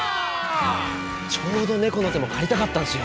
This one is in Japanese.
ちょうどネコの手も借りたかったんすよ。